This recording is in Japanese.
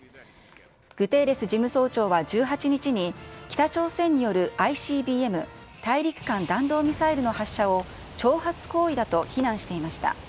グテーレス事務総長は１８日に、北朝鮮によるＩＣＢＭ・大陸間弾道ミサイルの発射を、挑発行為だと非難していました。